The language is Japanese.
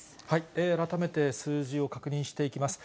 改めて数字を確認していきます。